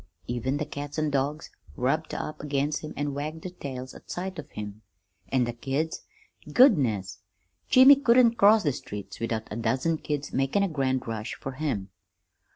Even the cats an' dogs rubbed up against him an' wagged their tails at sight of him, an' the kids goodness, Jimmy couldn't cross the street without a dozen kids makin' a grand rush fer him.